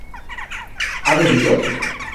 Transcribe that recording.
¿ha bebido?